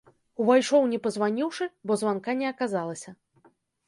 Увайшоў не пазваніўшы, бо званка не аказалася.